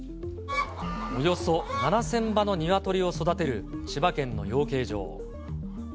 およそ７０００羽の鶏を育てる千葉県の養鶏場。